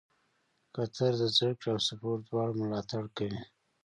قطر د زده کړې او سپورټ دواړو ملاتړ کوي.